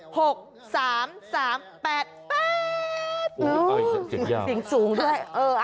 โอ้โฮอย่างเจ๋งจูงด้วย